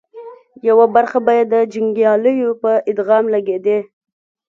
يوه برخه به یې د جنګياليو په ادغام لګېدې